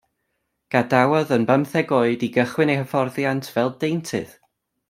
Gadawodd yn bymtheg oed i gychwyn ei hyfforddiant fel deintydd.